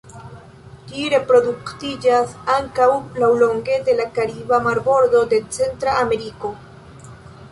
Ĝi reproduktiĝas ankaŭ laŭlonge de la kariba marbordo de Centra Ameriko.